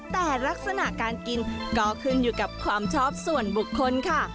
แต่ลักษณะการกินก็ขึ้นอยู่กับความชอบส่วนบุคคลค่ะ